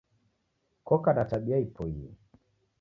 Koka na tabia ipoie.